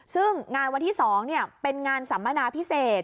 ซึ่งงานวันที่๒เป็นงานสัมมนาพิเศษ